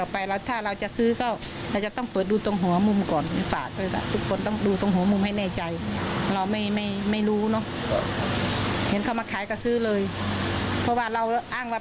พี่วันนี้ยังบอกอีกเธอก็ชอบซื้อลอตเตอรี่นะ